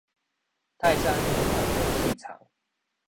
泰山兒童遊戲場